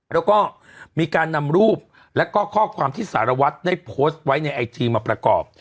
แล้วก็มีการนำรูปแล้วก็ข้อความที่สารวัตรได้โพสต์ไว้ในไอจีมาประกอบ